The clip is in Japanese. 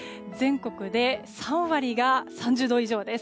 全国で３割が３０度以上です。